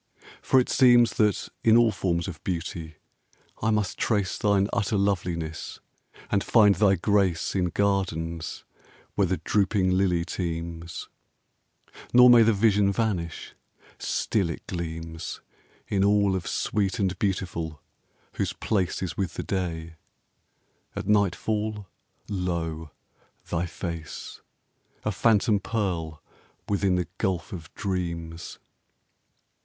For it seems That in all forms of beauty I must trace Thine utter loveliness, and find thy grace In gardens where the drooping lily teems ; Nor may the vision vanish : still it gleams In all of sweet and beautiful whose place Is with the day; at nightfall, lo! thy face, A phantom pearl within the gulf of dreams!